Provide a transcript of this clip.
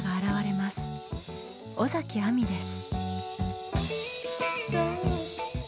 尾崎亜美です。